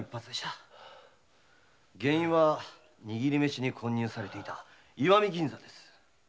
原因は握り飯に混入されていた石見銀山です。